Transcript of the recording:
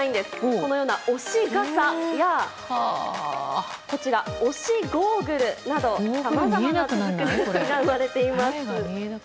このような推し傘や推しゴーグルなどさまざまな手作りグッズが生まれています。